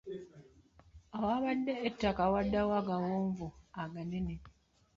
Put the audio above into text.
Awabadde ettaka waddawo agawonvu aganene.